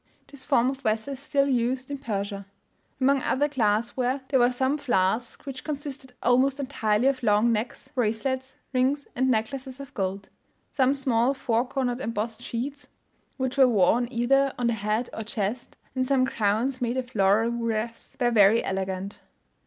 This form of vessel is still used in Persia. Among other glass ware, there were some flasks which consisted almost entirely of long necks, bracelets, rings and necklaces of gold; some small four cornered embossed sheets, which were worn either on the head or chest, and some crowns, made of laurel wreaths, were very elegant.